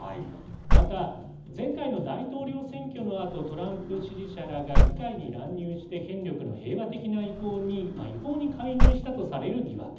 また、前回の大統領選挙のあとトランプ支持者らが議会に乱入して、権力の平和的な移行に違法に介入したとされる疑惑。